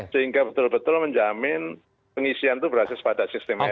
sehingga betul betul menjamin pengisian itu berbasis pada sistem